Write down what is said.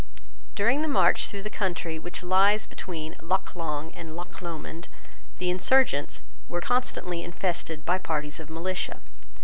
During the march through the country which lies between Loch Long and Loch Lomond, the insurgents were constantly infested by parties of militia.